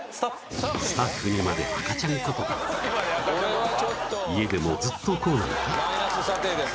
スタッフにまで家でもずっとこうなのか？